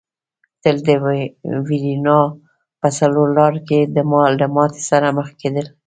تل د وېرونا په څلور لاره کې له ماتې سره مخ کېدل.